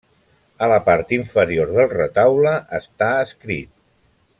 A la part inferior del retaule està escrit: